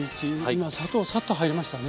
今砂糖サッと入りましたね。